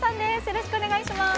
よろしくお願いします